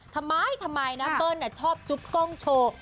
ทำไมทำไมนะเปิ้ลชอบจุ๊บกล้องโชว์